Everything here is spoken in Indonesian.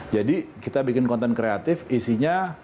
jadi kita bikin konten kreatif isinya